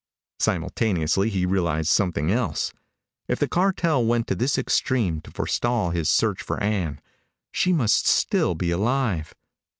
Simultaneously he realized something else. If the cartel went to this extreme to forestall his search for Ann, she must still be alive.